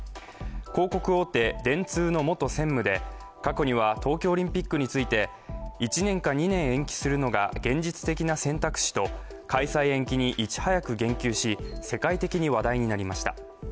広告大手、電通の元専務で過去には東京オリンピックについて１年か２年延期するのが現実的な選択肢と開催延期にいち早く言及し世界的に話題になりました。